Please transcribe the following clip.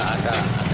ada salah satu